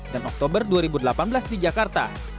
dan oktober dua ribu delapan belas di jakarta